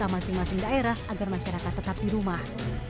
masing masing daerah agar masyarakat tetap di rumah